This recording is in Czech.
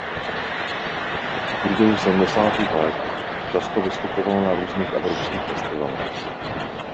V průběhu sedmdesátých let často vystupovala na různých evropských festivalech.